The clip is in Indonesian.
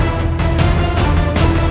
terima kasih raden